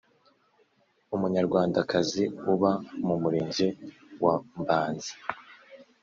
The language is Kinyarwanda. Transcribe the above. Umunyarwandakazi uba mu Murenge wa Mbazi